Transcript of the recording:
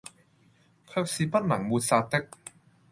卻是不能抹殺的，